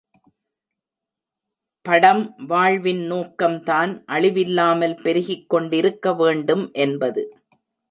படம் வாழ்வின் நோக்கம் தான் அழிவில்லாமல் பெருகிக்கொண்டிருக்க வேண்டும் என்பது.